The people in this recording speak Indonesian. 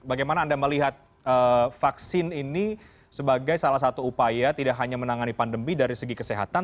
bagaimana anda melihat vaksin ini sebagai salah satu upaya tidak hanya menangani pandemi dari segi kesehatan